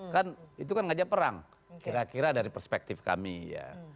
kan itu kan ngajak perang kira kira dari perspektif kami ya